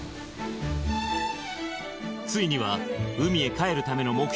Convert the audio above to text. ついには海へ帰るための目標